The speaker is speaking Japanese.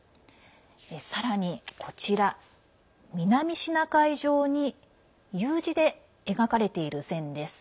さらに、南シナ海上にＵ字で描かれている線です。